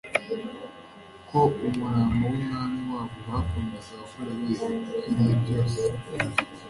ko umurambo w'Umwami wabo bakunda wakorewe ibikwiriye byose.